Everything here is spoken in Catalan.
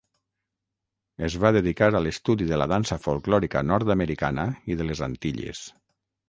Es va dedicar a l'estudi de la dansa folklòrica nord-americana i de les Antilles.